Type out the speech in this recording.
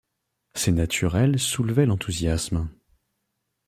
Ses naturelles soulevaient l'enthousiasme.